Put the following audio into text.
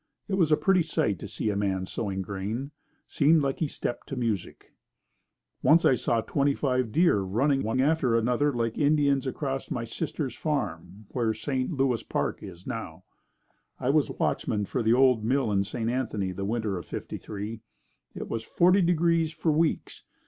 It was a pretty sight to see a man sowing grain. Seemed like he stepped to music. Once I saw twenty five deer running one after another like Indians across my sister's farm where St. Louis Park now is. I was watchman for the old mill in St. Anthony the winter of '53. It was forty degrees for weeks.